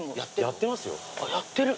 やってる。